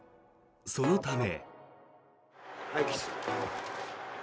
そのため。